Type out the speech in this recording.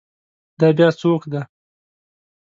دا بیا څوک دی؟